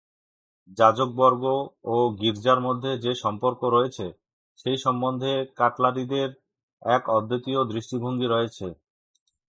যাজকবর্গ ও গির্জার মধ্যে যে-সম্পর্ক রয়েছে, সেই সম্বন্ধে কাটলারিদের এক অদ্বিতীয় দৃষ্টিভঙ্গি রয়েছে।